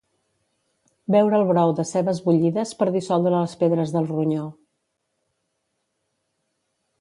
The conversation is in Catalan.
Beure el brou de cebes bullides per dissoldre les pedres del ronyó